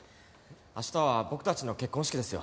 明日は僕たちの結婚式ですよ。